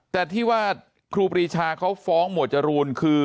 แต่ที่ว่าครูปรีชาเขาฟ้องหมวดจรูนคือ